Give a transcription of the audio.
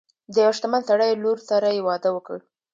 د یو شتمن سړي لور سره یې واده وکړ.